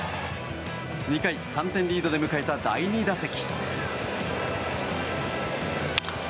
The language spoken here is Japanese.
２回、３点リードで迎えた第２打席。